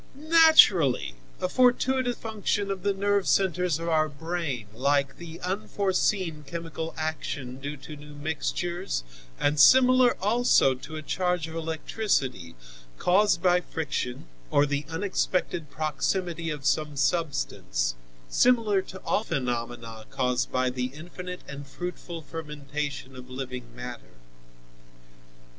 "Naturally! A fortuitous function of the nerve centres of our brain, like the unforeseen chemical action due to new mixtures and similar also to a charge of electricity, caused by friction or the unexpected proximity of some substance, similar to all phenomena caused by the infinite and fruitful fermentation of living matter.